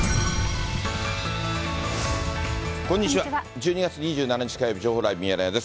１２月２７日火曜日、情報ライブミヤネ屋です。